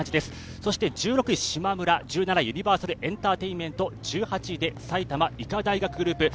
そして１６位しまむら、１７位ユニバーサルエンターテインメント１８位で埼玉医科大学グループ。